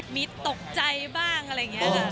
มีตกใจบ้างอะไรอย่างนี้ค่ะ